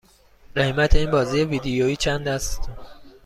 قیمت این بازی ویدیویی چند است؟